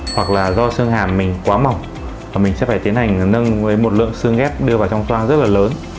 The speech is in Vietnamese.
hoặc là do sương hàm mình quá mỏng và mình sẽ phải tiến hành nâng với một lượng xương ghép đưa vào trong toan rất là lớn